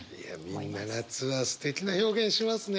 みんな夏はすてきな表現しますね。